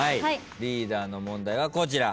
リーダーの問題はこちら。